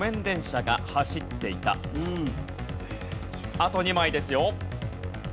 あと２枚ですよ。